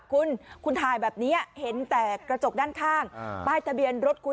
คุณคุณถ่ายแบบนี้เห็นแต่กระจกด้านข้างป้ายทะเบียนรถคุณ